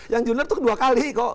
yang jurnal itu kedua kali kok